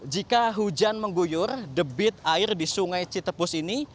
jika hujan mengguyur debit air di sungai citepus ini